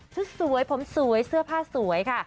สวยผมสวยเสื้อผ้าสวยค่ะ